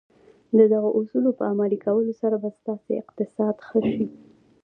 د دغو اصولو په عملي کولو سره به ستاسې اقتصاد ښه شي.